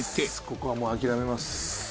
ここはもう諦めます。